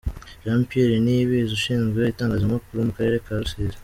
Jean Pierre Niyibizi ushinzwe itangazamakuru mu Karere ka Rusizi .